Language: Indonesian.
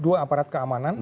dua aparat keamanan